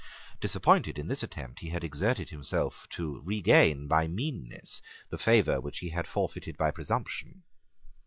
Disappointed in this attempt, he had exerted himself to regain by meanness the favour which he had forfeited by presumption.